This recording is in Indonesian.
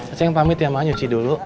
acing pamit ya mbak nyuci dulu